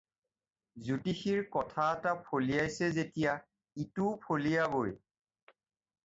জ্যোতিষীৰ কথা এটা ফলিয়াইছে যেতিয়া ইটোও ফলিয়াবই।